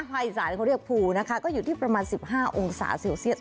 อีสานเขาเรียกภูนะคะก็อยู่ที่ประมาณ๑๕องศาเซลเซียส